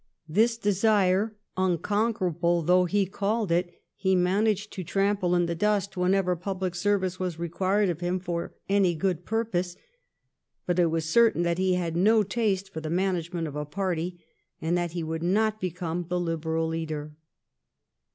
This desire, unconquerable though he called it, he managed to trample in the dust whenever public service was required of him for any good purpose. But it was certain that he had no taste for the manage ment of a party, and that he would not become the Liberal leader.